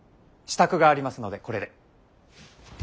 支度がありますのでこれで。